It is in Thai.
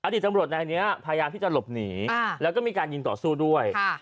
ดีตำรวจนายนี้พยายามที่จะหลบหนีแล้วก็มีการยิงต่อสู้ด้วย